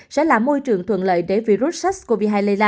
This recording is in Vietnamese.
sẽ là môi trường thuận lợi để virus sars cov hai